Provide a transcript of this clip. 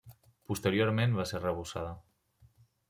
Posteriorment va ser arrebossada.